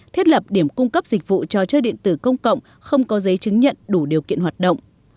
thiết lập điểm cung cấp dịch vụ trò chơi điện tử công cộng không có giấy chứng nhận đủ điều kiện hoạt động